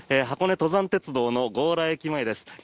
箱根登山鉄道の強羅駅前です。